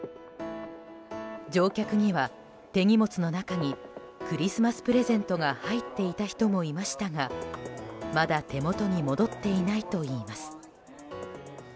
乗客には手荷物の中にクリスマスプレゼントが入っていた人もいましたがまだ手元に戻っていないといいます。